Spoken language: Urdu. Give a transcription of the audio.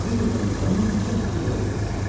کھڑکی پوری کھلی ہوئی تھی